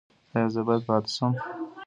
ایا زه باید پاتې شم؟